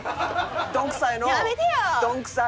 どんくさいのぉどんくさい。